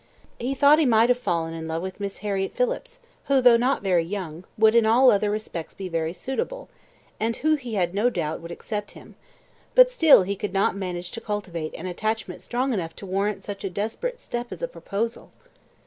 He thought he might have fallen in love with Miss Harriett Phillips, who, though not very young, would in all other respects be very suitable, and who, he had no doubt, would accept him; but still he could not manage to cultivate an attachment strong enough to warrant such a desperate step as a proposal.